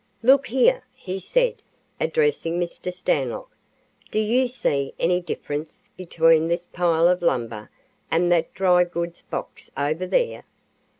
"Look here," he said, addressing Mr. Stanlock. "Do you see any difference between this pile of lumber and that dry goods box over there?"